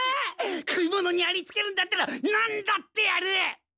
食い物にありつけるんだったらなんだってやる！